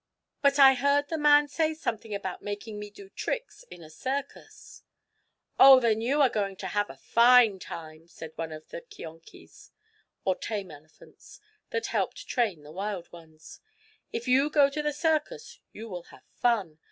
"But I heard the man say something about making me do tricks in a circus." "Oh, then you are going to have a fine, time," said one of the keonkies, or tame elephants, that help train the wild ones. "If you go to the circus you will have fun.